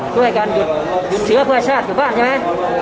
ด้วยการหยุดเหลือเวลาชาติอยู่บ้านใช่ไหม